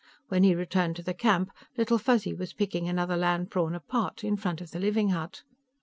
When he returned to the camp, Little Fuzzy was picking another land prawn apart in front of the living hut.